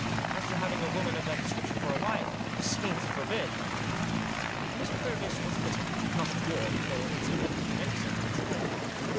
As to having a woman of that description for a wife — the saints forbid 1 Miss Purvis was little. Not a dwarf, nor insignifi cant in any sense, but small enough.